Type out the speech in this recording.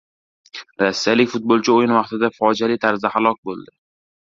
Rossiyalik futbolchi o‘yin vaqtida fojiali tarzda halok bo‘ldi